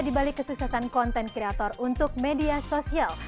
di balik kesuksesan konten kreator untuk media sosial